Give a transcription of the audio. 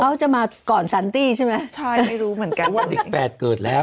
เขาจะมาก่อนใช่ไหมใช่ไม่รู้เหมือนกันอีกแฝดเกิดแล้ว